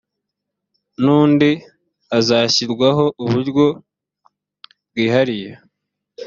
n undi hazashyirwaho uburyo bwihariye